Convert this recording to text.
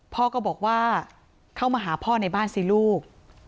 พ่อก็บอกว่าเข้ามาหาพ่อในบ้านสิลูก